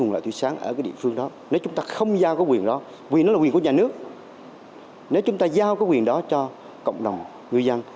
nếu chúng ta không giao quyền đó quyền đó là quyền của nhà nước nếu chúng ta giao quyền đó cho cộng đồng ngư dân